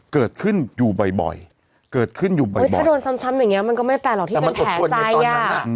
เกิดขึ้นอยู่บ่อยเกิดขึ้นอยู่บ่อยถ้าโดนซ้ำอย่างเงี้มันก็ไม่แปลกหรอกที่เป็นแผลใจอ่ะ